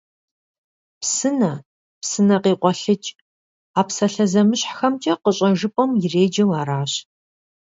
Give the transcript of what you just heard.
Псынэ, псынэ къикъуэлъыкӀ - а псалъэ зэмыщхьхэмкӀэ къыщӀэжыпӀэм иреджэу аращ.